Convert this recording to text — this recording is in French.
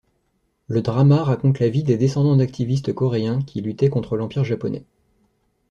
Le drama raconte la vie des descendants d'activistes coréens qui luttaient contre l'empire japonais.